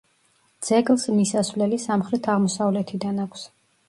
ძეგლს მისასვლელი სამხრეთ-აღმოსავლეთიდან აქვს.